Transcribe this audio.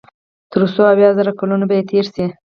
تر څو اويا زره کلونه به ئې تېر شي